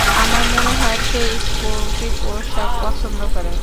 আমার মনে হয় সে স্পোর্টি পোষাক পছন্দ করে।